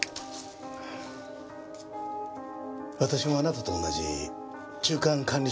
私もあなたと同じ中間管理職なんです。